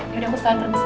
boleh boleh boleh